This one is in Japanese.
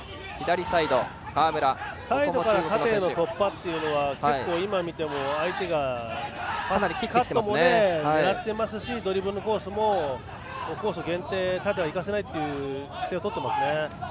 サイドから縦への突破は今見ても相手が結構カットもやっていますしドリブルのコースもコースを限定縦にいかせないという姿勢をとっていますね。